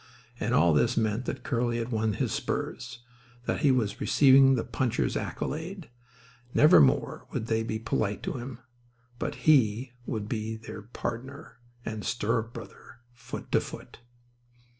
And all this meant that Curly had won his spurs, that he was receiving the puncher's accolade. Nevermore would they be polite to him. But he would be their "pardner" and stirrup brother, foot to foot.